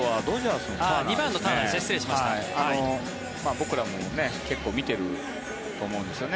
僕らも結構見ていると思うんですよね。